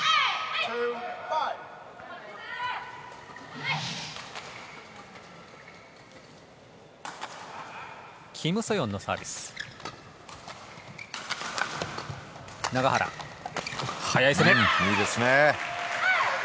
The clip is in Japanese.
いいですね。